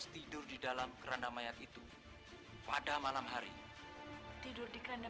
semua bergaya gampang bu